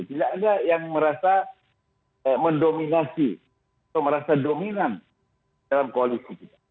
tidak ada yang merasa mendominasi atau merasa dominan dalam koalisi kita